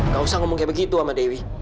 gak usah ngomong kayak begitu sama dewi